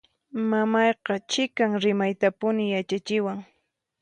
Mamayqa chiqan rimaytapuni yachachiwan.